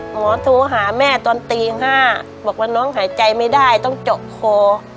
โทรหาแม่ตอนตี๕บอกว่าน้องหายใจไม่ได้ต้องเจาะคอ